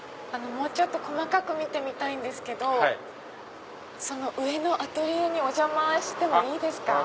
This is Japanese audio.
もうちょっと細かく見てみたいんですけど上のアトリエにお邪魔してもいいですか？